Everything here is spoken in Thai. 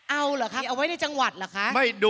เอาเหรอคะเอาไว้ในจังหวัดเหรอคะ